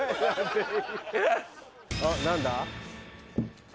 あっ何だ？